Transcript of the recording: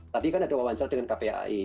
tadi kan ada wawancara dengan kpai